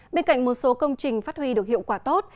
bên cạnh một số công trình phát huy được hiệu quả tốt